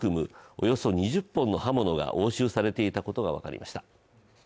およそ２０本の刃物が押収されていたことが分かりました。